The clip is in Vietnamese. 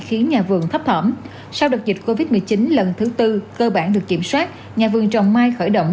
khiến nhà vườn thấp thỏm sau đợt dịch covid một mươi chín lần thứ tư cơ bản được kiểm soát nhà vườn trồng mai khởi động